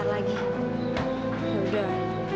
mbak tungguin kamu di rumah